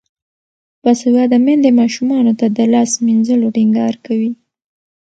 باسواده میندې ماشومانو ته د لاس مینځلو ټینګار کوي.